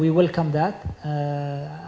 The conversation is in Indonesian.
kami mengucapkan selamat datang